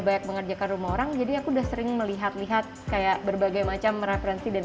banyak mengerjakan rumah orang jadi aku udah sering melihat lihat kayak berbagai macam referensi dan